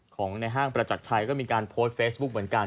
ของในห้างประจักรชัยก็มีการโพสต์เฟซบุ๊กเหมือนกัน